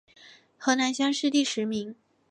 河南乡试第十名。